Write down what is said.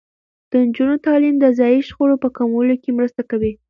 د نجونو تعلیم د ځايي شخړو په کمولو کې مرسته کوي.